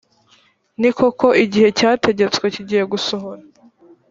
ni koko igihe cyategetswe kigiye gusohora.